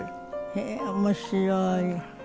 へえー面白い。